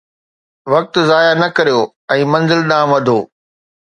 وقت ضايع نه ڪريو ۽ منزل ڏانهن وڌو